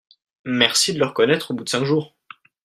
Merci de le reconnaître au bout de cinq jours